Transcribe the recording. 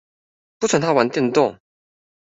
不准他玩電動